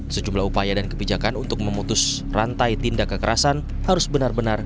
sejumlah upaya dan kebijakan untuk memutus rantai tindak kekerasan harus benar benar